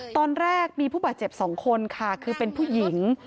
ตอนแรกมีผู้บาดเจ็บ๒คนค่ะคือเป็นผู้หญิง